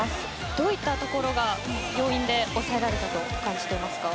どういったところが要因で抑えられたと感じますか。